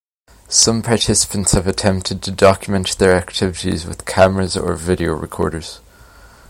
Some participants have attempted to document their activities with cameras or video recorders.